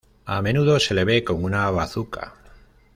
A menudo se le ve con una bazuca.